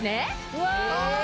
うわ！